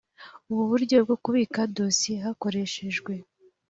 ubu buryo bwo kubika dosiye hakoreshejwe